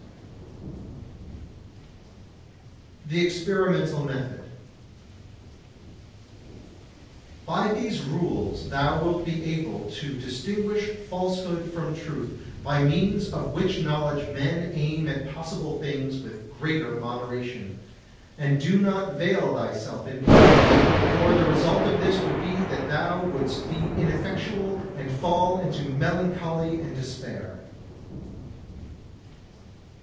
[Sidenote: The Experimental Method] 79. By these rules thou wilt be able to distinguish falsehood from truth by means of which knowledge men aim at possible things with greater moderation; and do not veil thyself in ignorance, for the result of this would be that thou wouldst be ineffectual and fall into melancholy and despair.